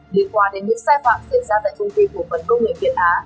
đến qua đến những sai phạm xảy ra tại công ty phục vấn công nghệ việt á